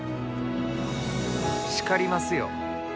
叱りますよ。